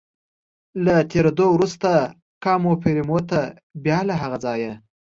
له تېرېدو وروسته کاموفورمیو ته، بیا له هغه ځایه.